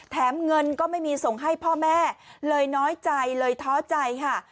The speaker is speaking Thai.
แถมเงินก็ไม่มีส่งให้พ่อแม่เลยน้อยใจเลยท้อใจค่ะ